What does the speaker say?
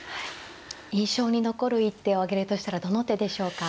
印象に残る一手を挙げるとしたらどの手でしょうか。